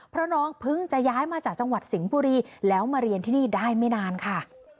เพราะน้องเพิ่งจะย้ายมาจากจังหวัดสิงห์บุรีแล้วมาเรียนที่นี่ได้ไม่นานค่ะ